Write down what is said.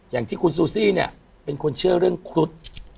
อย่างที่คุณซูซี่เนี่ยเป็นคนเชื่อเรื่องครุฑ